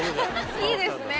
いいですね